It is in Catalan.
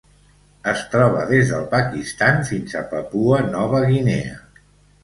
Es troba des del Pakistan fins a Papua Nova Guinea.